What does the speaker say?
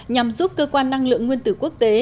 nhằm giúp cơ quan năng lượng nguyên tử quốc tế